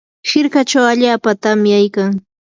hirkachaw allaapa tamyaykan.